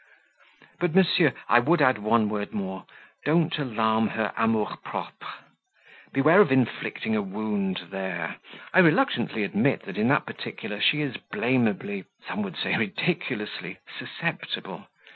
But, monsieur, I would add one word more; don't alarm her AMOUR PROPRE; beware of inflicting a wound there. I reluctantly admit that in that particular she is blameably some would say ridiculously susceptible.